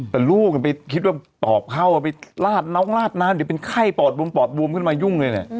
แต่ลูกกินไปคิดว่าตอบเข้าไปลาดน้องลาดน้ออื่นเป็นไข้ปอดบุ่มขึ้นมายุ่งเลย